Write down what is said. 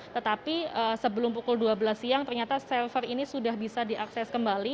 tetapi sebelum pukul dua belas siang ternyata server ini sudah bisa diakses kembali